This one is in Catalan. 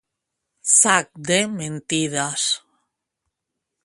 Sac de mentides.